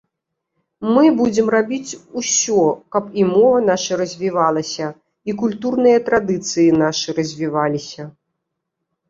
Мы будзем рабіць усё, каб і мова наша развівалася, і культурныя традыцыі нашы развіваліся.